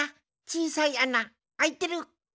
ちいさいあなあいてる。